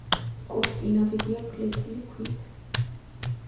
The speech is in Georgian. კოშკი ნაგებია ფლეთილი ქვით.